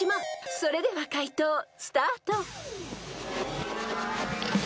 ［それでは解答スタート！］